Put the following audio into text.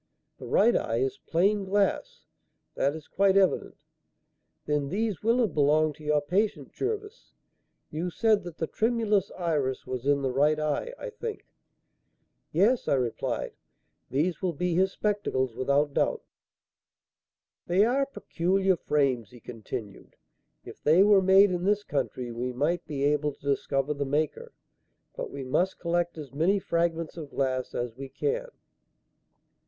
The right eye is plain glass; that is quite evident. Then these will have belonged to your patient, Jervis. You said that the tremulous iris was in the right eye, I think?" "Yes," I replied. "These will be his spectacles, without doubt." "They are peculiar frames," he continued. "If they were made in this country, we might be able to discover the maker. But we must collect as many fragments of glass as we can."